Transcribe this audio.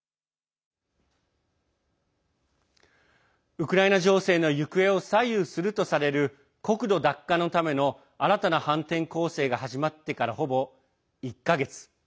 ウクライナ情勢の行方を左右するとされる国土奪還のための新たな反転攻勢が始まってからほぼ１か月。